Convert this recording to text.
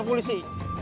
bawa ke polisi